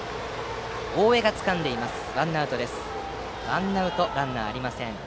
大江がつかんでワンアウトランナーありません。